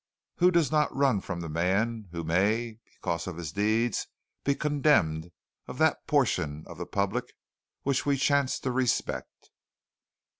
Who does not run from the man who may because of his deeds be condemned of that portion of the public which we chance to respect?